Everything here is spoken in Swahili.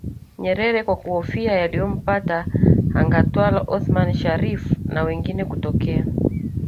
Nyerere kwa kuhofia yaliyompata Hanga Twala Othman Sharrif na wengine kutokea